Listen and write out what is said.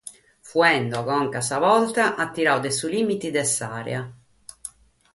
Fuende conca a sa porta, at tiradu dae su lìmite de s’àrea.